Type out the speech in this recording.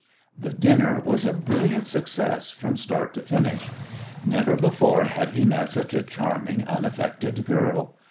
The dinner was a brilliant success from start to finish. Never before had he met such a charming, unaffected girl.